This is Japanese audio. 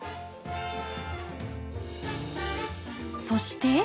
そして。